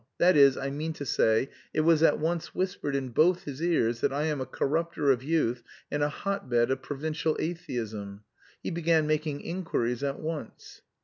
that is, I mean to say, it was at once whispered in both his ears that I am a corrupter of youth, and a hot bed of provincial atheism.... He began making inquiries at once."